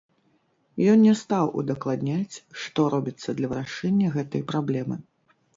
Ён не стаў удакладняць, што робіцца для вырашэння гэтай праблемы.